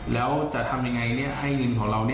แล้วจะทำยังไงให้เงินของเรา